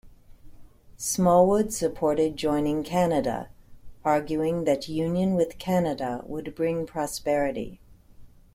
Smallwood supported joining Canada, arguing that union with Canada would bring prosperity.